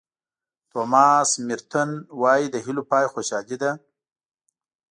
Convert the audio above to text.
توماس مېرټون وایي د هیلو پای خوشالي ده.